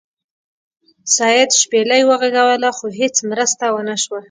سید شپیلۍ وغږوله خو هیڅ مرسته ونه شوه.